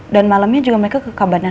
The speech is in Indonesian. dan malamnya juga mereka ke kabar naik kan